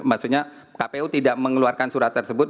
maksudnya kpu tidak mengeluarkan surat tersebut